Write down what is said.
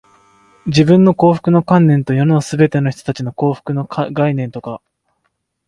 自分の幸福の観念と、世のすべての人たちの幸福の観念とが、